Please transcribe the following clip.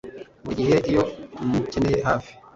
Buri gihe iyo tumukeneye hafi